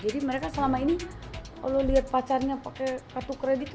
jadi mereka selama ini kalau lihat pacarnya pakai kartu kredit itu